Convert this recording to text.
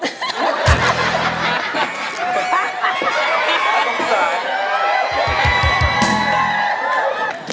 กลัวหลก